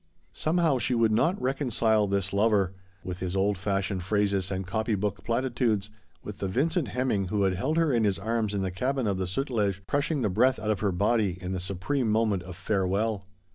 Somehow she would not reconcile this lover, with his old fashioned phrases and copybook platitudes, with the Vincent Hemming who had held her in his arms in the cabin of the Sutlef, crushing the breath out of her body in the supreme moment of farewell.